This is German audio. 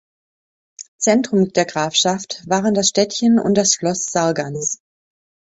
Zentrum der Grafschaft waren das Städtchen und das Schloss Sargans.